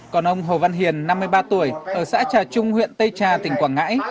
còn ông hồ văn hiền năm mươi ba tuổi ở xã trà trung huyện tây trà tỉnh quảng ngãi